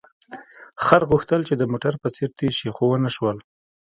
خر غوښتل چې د موټر په څېر تېز شي، خو ونه شول.